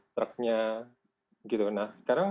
truknya gitu nah sekarang